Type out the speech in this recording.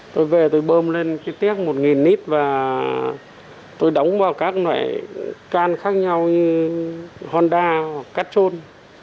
tôi về tôi bơm lên tiết một nít và tôi đóng vào các loại can khác nhau như honda cát trôn